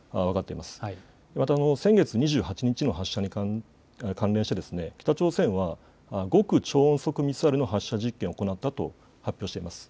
また先月２８日の発射に関連して北朝鮮は極超音速ミサイルの発射実験を行ったと発表しています。